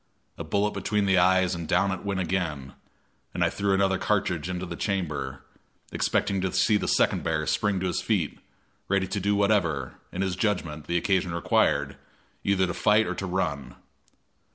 A bullet between the eyes and down it went again, and I threw another cartridge into the chamber, expecting to see the second bear spring to his feet, ready to do whatever, in his judgment, the occasion required, either to fight or to run.